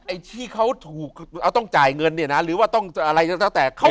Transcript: ไอ้ที่เขาถูกต้องจ่ายเงินหรือว่าต้องอะไรตั้งแต่